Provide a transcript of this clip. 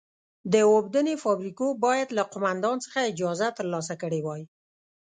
د اوبدنې فابریکو باید له قومندان څخه اجازه ترلاسه کړې وای.